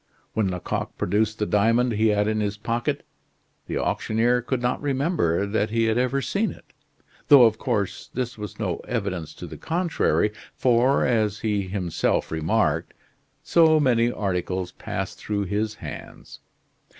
When Lecoq produced the diamond he had in his pocket, the auctioneer could not remember that he had ever seen it; though of course this was no evidence to the contrary, for, as he himself remarked, so many articles passed through his hands!